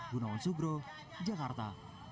gunawan sugro jakarta